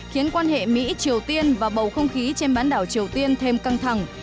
khiến quan hệ mỹ triều tiên và bầu không khí trên bán đảo triều tiên thêm căng thẳng